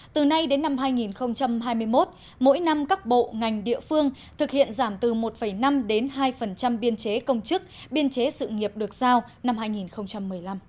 từ nay đến năm hai nghìn hai mươi một mỗi năm các bộ ngành địa phương thực hiện giảm từ một năm đến hai biên chế công chức biên chế sự nghiệp được giao năm hai nghìn một mươi năm